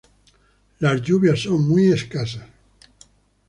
Las lluvias son muy escasas.